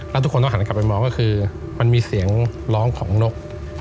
แล้วทุกคนต้องหันกลับไปมองก็คือมันมีเสียงร้องของนก